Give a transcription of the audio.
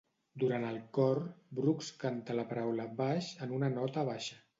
Durant el cor, Brooks canta la paraula "baix" en una nota baixa.